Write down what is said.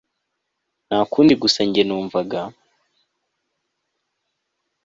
ntakundi gusa njye numvaga